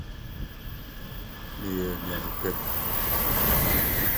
Meyɛɛ nea mepɛ.